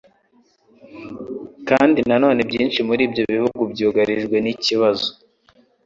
Kandi nanone byinshi muri ibyo bihugu byugarijwe n'ikibazo